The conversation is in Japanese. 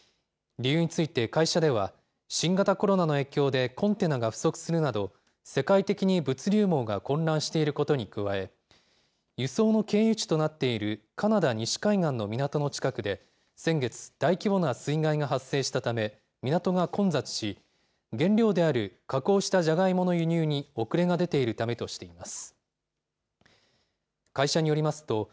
理由について、会社では、新型コロナの影響で、コンテナが不足するなど、世界的に物流網が混乱していることに加え、輸送の経由地となっているカナダ西海岸の港の近くで、先月、大規模な水害が発生したため、港が混雑し、原料である加工したじゃがいもの輸入に遅れが出ているためとしています。